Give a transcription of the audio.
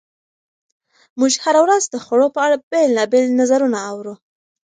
موږ هره ورځ د خوړو په اړه بېلابېل نظرونه اورو.